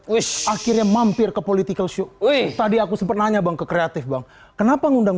wish akhirnya mampir ke political show tadi aku sempet nanya bang ke kreatif bang kenapa ngundang